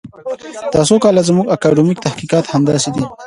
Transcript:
دا څو کاله زموږ اکاډمیک تحقیقات همداسې دي.